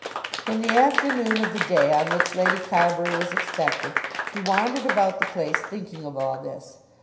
In the afternoon of the day on which Lady Carbury was expected, he wandered about the place thinking of all this.